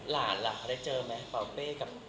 แล้วหลานล่ะเขาได้เจอไหมปาวเป้กับ